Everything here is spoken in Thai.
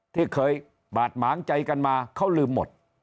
ที่เคยบาดหมางใจกันมาเขาลืมหมด